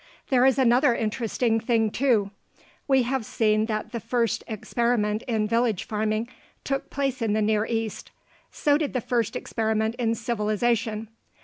There is another interesting thing, too. We have seen that the first experiment in village farming took place in the Near East. So did the first experiment in civilization.